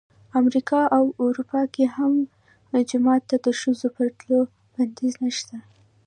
امریکا او اروپا کې هم جومات ته د ښځو پر تلو بندیز نه شته.